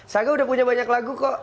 saga udah punya banyak lagu kok